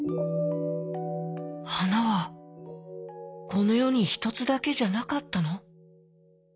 「はなはこのよにひとつだけじゃなかったの？